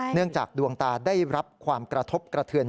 เนื่องจากดวงตาได้รับความกระทบกระเทือน